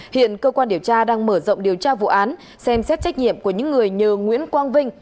hiện cơ quan điều tra đang mở rộng điều tra vụ án xem xét trách nhiệm của những người nhờ nguyễn quang vinh